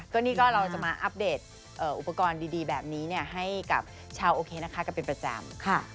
ก็นี่ก็เราจะมาอัปเดตอุปกรณ์ดีแบบนี้ให้กับชาวโอเคนะคะกันเป็นประจำ